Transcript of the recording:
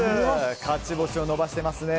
勝ち星を伸ばしてますね。